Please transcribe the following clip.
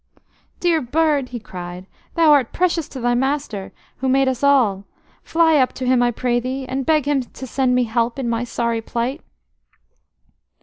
"Dear bird," he cried, "thou art precious to thy Master, Who made us all. Fly up to Him, I pray thee, and beg Him to send me help in my sorry plight."